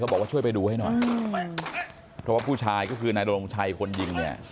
บอกว่าช่วยไปดูให้หน่อยเพราะว่าผู้ชายก็คือนายดรงชัยคนยิงเนี่ย